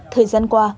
thời gian qua